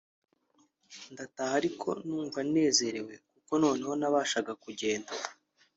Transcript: ndataha ariko numva nezerewe kuko noneho nabashaga kugenda